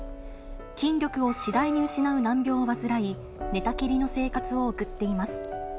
筋力を次第に失う難病を患い、寝たきりの生活を送っています。